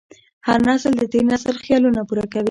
هر نسل د تېر نسل خیالونه پوره کوي.